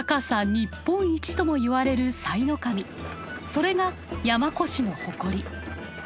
それが山古志の誇り。